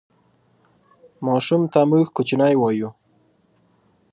ماشوم ته موږ کوچنی وایو